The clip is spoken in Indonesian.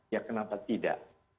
ya kenapa tidak